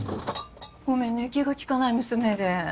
ごめんね気が利かない娘で。